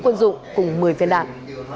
quân dụng cùng một mươi phiên đạn